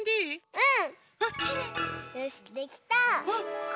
うん！